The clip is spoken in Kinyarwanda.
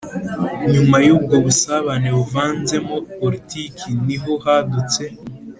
nyuma y'ubwo busabane buvanzemo politiki, ni ho hadutse